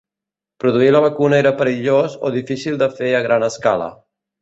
Produir la vacuna era perillós o difícil de fer a gran escala.